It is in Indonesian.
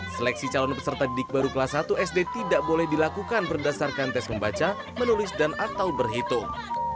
seleksi calon peserta didik baru kelas satu sd tidak boleh dilakukan berdasarkan tes membaca menulis dan atau berhitung